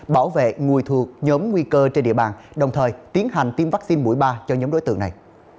bảo vệ ngồi thuộc nhóm nguy cơ trên địa bàn đồng thời tiến hành tiêm vaccine mũi ba cho nhóm đối tượng này